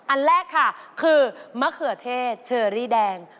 อันแรกค่ะคือมะเขือเทศเชอรี่แดง